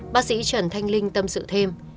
bác sĩ trần thanh linh tâm sự thêm